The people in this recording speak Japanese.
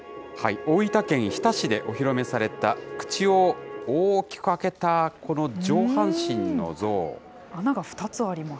大分県日田市でお披露目された口を大きく開けた、穴が２つあります。